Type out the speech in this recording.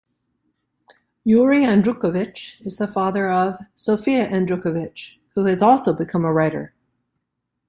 Yuri Andrukhovych is the father of Sofia Andrukhovych, who has also become a writer.